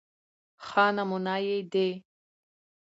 ښه نمونه يې د